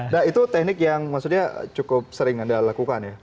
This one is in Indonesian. nah itu teknik yang maksudnya cukup sering anda lakukan ya